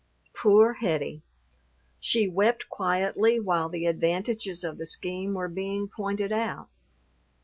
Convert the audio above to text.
Poor Hettie: she wept quietly while the advantages of the scheme were being pointed out.